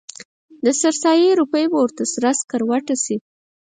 د سر سایې روپۍ به ورته سره سکروټه شي.